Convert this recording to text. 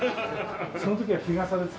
その時は日傘で使えます。